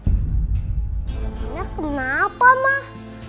tante bella kenapa mbak